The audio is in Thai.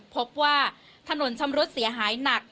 พบว่าถนนชำรุดเสียหายหนัก